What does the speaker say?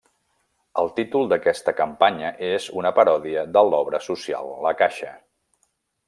El títol d'aquesta campanya és una paròdia de l'Obra Social La Caixa.